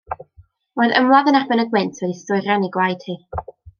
Mi oedd ymladd yn erbyn y gwynt wedi stwyrian ei gwaed hi.